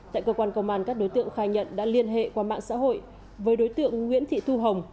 tại cơ quan công an các đối tượng khai nhận đã liên hệ qua mạng xã hội với đối tượng nguyễn thị thu hồng